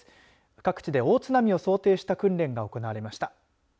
各地で大津波を想定した訓練が行われました。